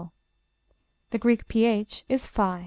The Greek ph is ###